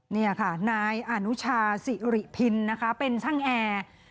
นี่ค่ะนายอนุชาสิริพินนะคะเป็นช่างแอร์